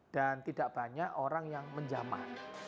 dan tidak banyak orang yang menjaman